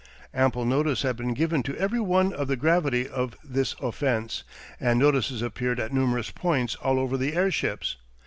Ample notice had been given to every one of the gravity of this offence, and notices appeared at numerous points all over the airships.